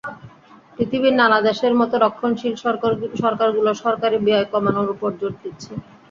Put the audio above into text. পৃথিবীর নানা দেশের মতো রক্ষণশীল সরকারগুলো সরকারি ব্যয় কমানোর ওপর জোর দিচ্ছে।